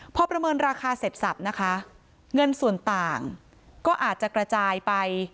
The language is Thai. พอประเมินราคาเสร็จสับนะคะเงินส่วนต่างก็อาจจะกระจายไป